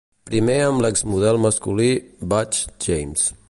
Primer amb l'exmodel masculí Butch James.